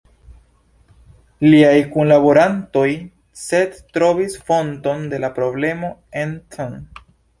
Liaj kunlaborantoj sed trovis fonton de la problemo en tn.